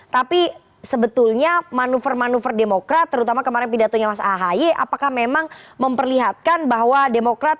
tapi sebetulnya manuver manuver demokrat terutama kemarin pidatonya mas ahy apakah memang memperlihatkan bahwa demokrat